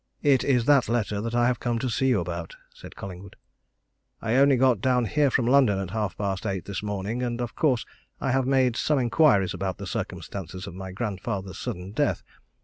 "It is that letter that I have come to see you about," said Collingwood. "I only got down here from London at half past eight this morning, and of course, I have made some inquiries about the circumstances of my grandfather's sudden death.